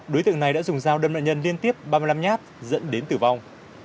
đối tượng này đã dùng dao đâm nạn nhân liên tiếp ba mươi năm nhát dẫn đến tử vong